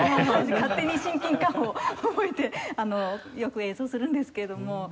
勝手に親近感を覚えてよく演奏するんですけれども。